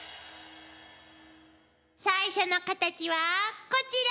最初のカタチはこちら！